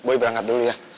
boy berangkat dulu ya